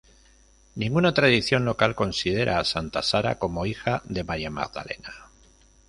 Ninguna tradición local considera a santa Sara como hija de María Magdalena.